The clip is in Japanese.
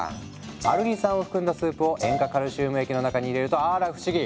アルギン酸を含んだスープを塩化カルシウム液の中に入れるとあら不思議。